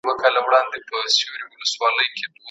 تاسو به له تعصبي افکارو څخه کرکه کوئ.